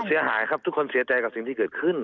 เสียหายครับทุกคนเสียใจกับสิ่งที่เกิดขึ้น